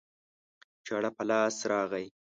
چاړه په لاس راغی